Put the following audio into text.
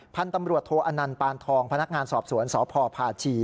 พันธุ์ตำรวจโทอนันต์ปานทองพนักงานสอบสวนสพพาชี